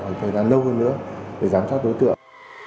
hoặc thời gian lâu hơn nữa để giám sát đối tượng